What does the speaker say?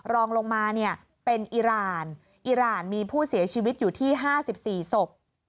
รองลงมาเนี่ยเป็นอิราณอิราณมีผู้เสียชีวิตอยู่ที่๕๔ศพ